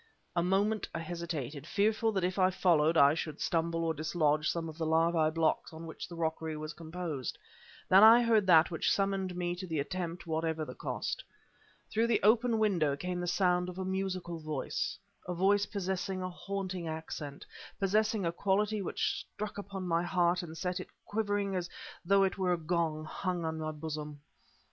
A moment I hesitated, fearful that if I followed, I should stumble or dislodge some of the larva blocks of which the rockery was composed. Then I heard that which summoned me to the attempt, whatever the cost. Through the open window came the sound of a musical voice a voice possessing a haunting accent, possessing a quality which struck upon my heart and set it quivering as though it were a gong hung in my bosom.